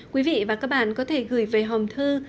quý vị và các bạn có thể gửi về hòm thư